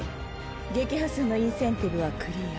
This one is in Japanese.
撃破数のインセンティブはクリア。